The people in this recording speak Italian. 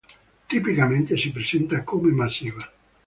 Tipicamente si presenta come massiva.